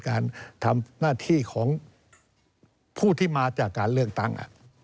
การทำหน้าที่ของผู้ที่มาจากการเลือกตั้ง